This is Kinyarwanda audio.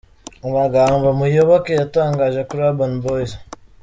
Amagambo Muyoboke yatangaje kuri Urban Boyz:.